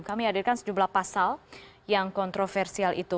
kami hadirkan sejumlah pasal yang kontroversial itu